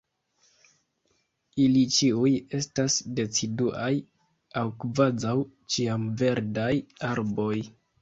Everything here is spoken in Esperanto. Ili ĉiuj estas deciduaj aŭ kvazaŭ-ĉiamverdaj arboj.